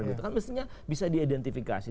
maksudnya bisa diidentifikasi